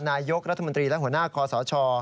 นายกรัฐมนตรีและหัวหน้าคอสช